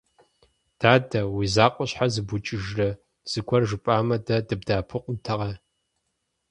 Дадэ, уи закъуэ щхьэ зыбукӀыжрэ, зыгуэр жыпӀамэ, дэ дыбдэӀэпыкъунтэкъэ?